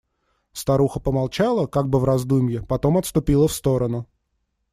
Старуха помолчала, как бы в раздумье, потом отступила в сторону.